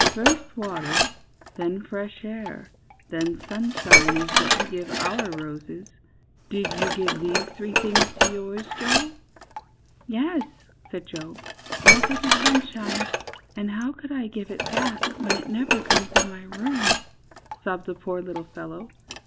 First water, then fresh air, then sunshine, is what we give our roses; did you give these three things to yours, Joe?" ^'Yes," said Joe, ^^all but the sunshine; and how could I give it that, when it never comes in my room?" sobbed the poor little fellow.